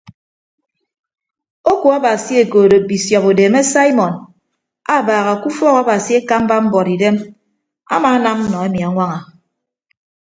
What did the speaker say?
Oku abasi ekoodo bisiọp udeeme saimọn abaaha ke ufọk abasi ekamba mbuọtidem amaanam nọ emi añwaña.